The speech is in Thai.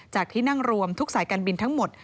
ที่นั่งรวมทุกสายการบินทั้งหมด